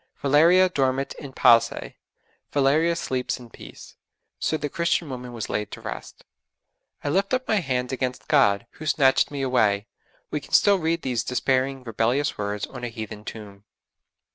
'Valeria dormit in pace.' Valeria sleeps in peace. So the Christian woman was laid to rest. 'I lift up my hands against God, who snatched me away.' We can still read these despairing, rebellious words on a heathen tomb.